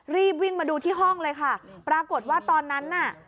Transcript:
รีบวิ่งมาดูที่ห้องเลยค่ะปรากฏว่าตอนนั้นน่ะ